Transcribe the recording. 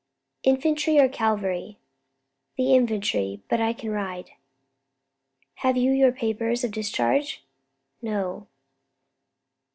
"Infantry or cavalry?" "The infantry; but I can ride." "Have you your papers of discharge?" "No."